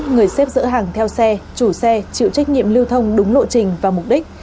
người xếp dỡ hàng theo xe chủ xe chịu trách nhiệm lưu thông đúng lộ trình và mục đích